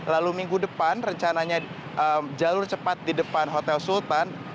lalu minggu depan rencananya jalur cepat di depan hotel sultan